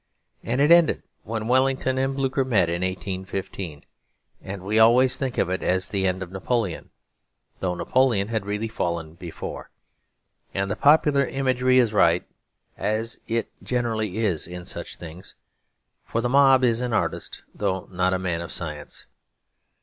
And it ended when Wellington and Blucher met in 1815; and we always think of it as the end of Napoleon; though Napoleon had really fallen before. And the popular imagery is right, as it generally is in such things: for the mob is an artist, though not a man of science.